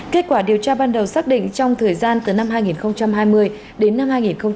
kết quả điều tra ban đầu xác định trong thời gian từ năm hai nghìn hai mươi đến năm hai nghìn hai mươi